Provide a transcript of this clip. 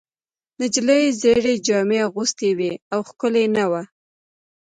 نجلۍ زړې جامې اغوستې وې او ښکلې نه وه.